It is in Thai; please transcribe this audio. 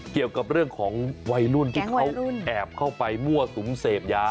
เกี่ยวกับเรื่องของวัยรุ่นที่เขาแอบเข้าไปมั่วสุมเสพยา